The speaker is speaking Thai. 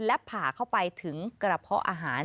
และผ่าเข้าไปถึงกระเพาะอาหาร